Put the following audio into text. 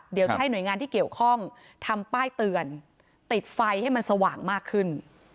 เดี๋ยวจะให้หน่วยงานที่เกี่ยวข้องทำป้ายเตือนติดไฟให้มันสว่างมากขึ้น